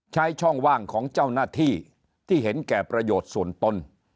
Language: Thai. ใช้ช่องว่างของเจ้าหน้าที่ที่เห็นแก่ประโยชน์ส่วนตน